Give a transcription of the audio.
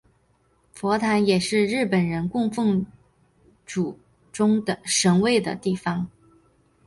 佛坛也是日本人供奉祖宗神位的地方。